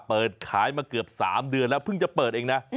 เปิดขายมาเกือบ๓เดือนแล้วเพิ่งจะเปิดเองนะ